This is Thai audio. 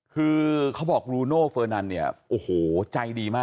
เผื่อหาและถ่วงให้ถึง